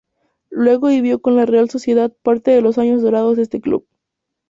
Luego vivió con la Real Sociedad parte de los años dorados de este club.